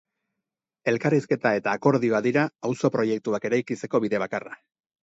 Elkarrizketa eta akordioa dira auzo proiektuak eraikitzeko bide bakarra.